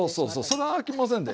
それあきませんで。